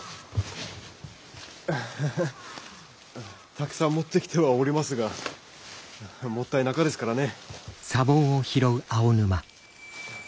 たくさん持ってきてはおりますがもったいなかですからね。